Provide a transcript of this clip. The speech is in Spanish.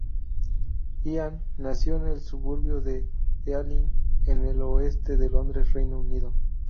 Ian nació en el suburbio de Ealing, en el oeste de Londres, Reino Unido.